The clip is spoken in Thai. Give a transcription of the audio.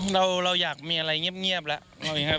เราอยากมีอะไรเงียบแล้ว